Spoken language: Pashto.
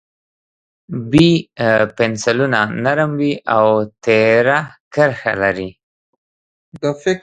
B پنسلونه نرم وي او تېره کرښه لري.